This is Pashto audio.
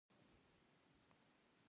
هغه د هوا پر څنډه ساکت ولاړ او فکر وکړ.